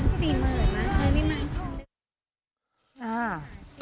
นี่พระกันวาสภาคไทย